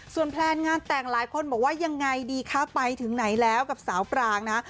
แพลนงานแต่งหลายคนบอกว่ายังไงดีคะไปถึงไหนแล้วกับสาวปรางนะ